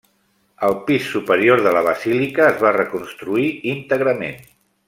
El pis superior de la basílica es va reconstruir íntegrament.